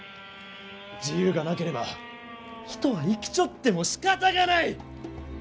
自由がなければ人は生きちょってもしかたがない！